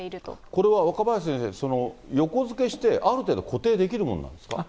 これは若林先生、横付けして、ある程度固定できるものなんですか。